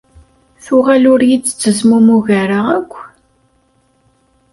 Tuɣal ur yi-d-tettezmumug ara akk.